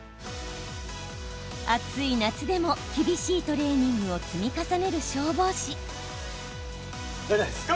暑い夏でも厳しいトレーニングを積み重ねる消防士。